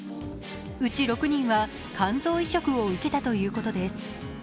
うち６人は肝臓移植を受けたということです。